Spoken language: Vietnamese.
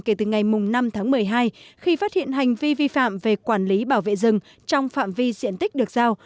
kể từ ngày năm tháng một mươi hai khi phát hiện hành vi vi phạm về quản lý bảo vệ rừng trong phạm vi diện tích được giao